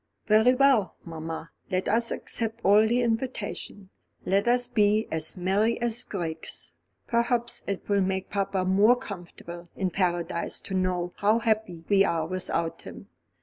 "Very well, mamma, let us accept all the invitations. Let us be as merry as grigs. Perhaps it will make papa more comfortable in Paradise to know how happy we are without him.